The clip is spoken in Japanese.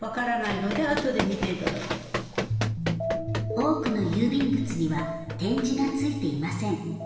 多くの郵便物には点字がついていません。